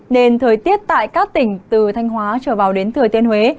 nên thời tiết tại các tỉnh từ thanh hóa trở vào đến thừa thiên huế